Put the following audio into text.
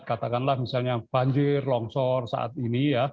katakanlah misalnya banjir longsor saat ini ya